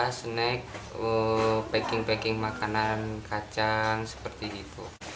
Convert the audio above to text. kita snack packing packing makanan kacang seperti itu